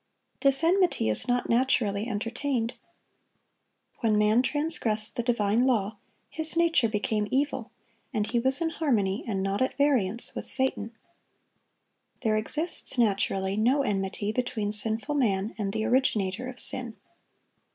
This enmity is not naturally entertained. When man transgressed the divine law, his nature became evil, and he was in harmony, and not at variance, with Satan. There exists naturally no enmity between sinful man and the originator of sin.